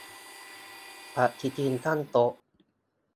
ปฏิทินตั้งโต๊ะ